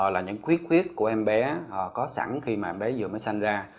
là những khuyết khuyết của em bé có sẵn khi mà em bé vừa mới sanh ra